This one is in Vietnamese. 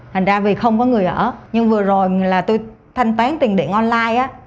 thành ra vì không có người ở nhưng vừa rồi là tôi thanh toán tiền điện online